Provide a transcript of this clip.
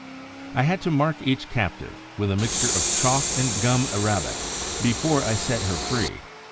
I had to mark each captive with a mixture of chalk and gum arabic before I set her free.